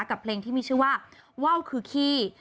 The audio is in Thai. กับเพลงที่มีชื่อว่าว่าวคือขี้